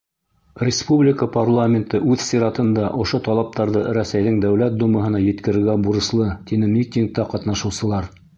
Республика парламенты үҙ сиратында ошо талаптарҙы Рәсәйҙең Дәүләт Думаһына еткерергә бурыслы, тине митингта ҡатнашыусылар.